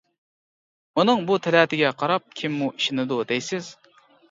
ئۇنىڭ بۇ تەلەتىگە قاراپ كىممۇ ئىشىنىدۇ دەيسىز.